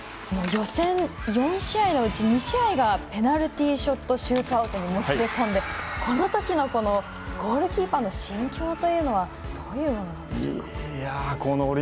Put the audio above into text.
予選４試合のうち２試合がペナルティーショットシュートアウトにもつれ込んでこのときのゴールキーパーの心境というのはどういうものなんでしょうか？